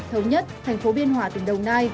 thống nhất thành phố biên hòa tỉnh đồng nai